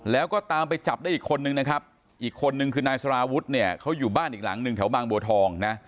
แล้วก็ตามไปจับได้อีกคนนึงนะครับอีกคนนึงคือนายสารวุฒิเนี่ยเขาอยู่บ้านอีกหลังหนึ่งแถวบางบัวทองนะ